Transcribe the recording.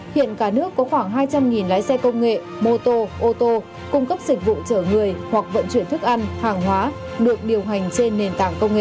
hiện cả nước có khoảng hai trăm linh lái xe công nghệ mô tô ô tô cung cấp dịch vụ chở người hoặc vận chuyển thức ăn hàng hóa được điều hành trên nền tảng công nghệ